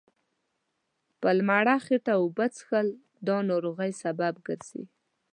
په لمړه هيټه اوبه څښل دا ناروغۍ سبب ګرځي